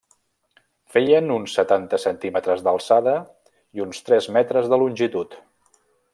Feien uns setanta centímetres d'alçada i uns tres metres de longitud.